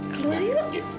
keluar dia dok